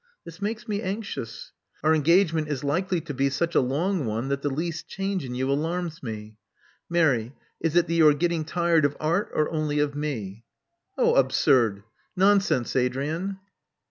This makes me anxious. Our engagement is likely to be such a long one, that the least change in you alarms me. Mary: is it that you are getting tired of Art, or only of me?" "Oh, absurd! nonsense, Adrian!"